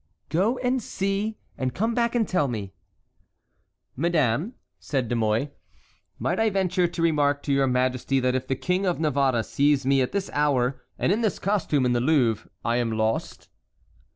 "Go and see, and come back and tell me." "Madame," said De Mouy, "might I venture to remark to your majesty that if the King of Navarre sees me at this hour and in this costume in the Louvre, I am lost?"